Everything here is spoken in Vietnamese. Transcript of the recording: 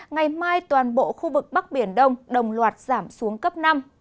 ngày mai toàn bộ khu vực bắc biển đông đồng loạt giảm xuống cấp năm